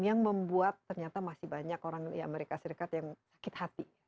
yang membuat ternyata masih banyak orang di amerika serikat yang sakit hati